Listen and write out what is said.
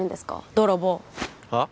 泥棒はっ？